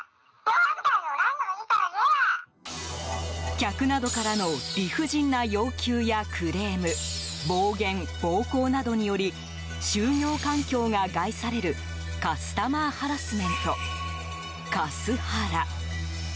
客などからの理不尽な要求やクレーム、暴言、暴行などにより就業環境が害されるカスタマーハラスメントカスハラ。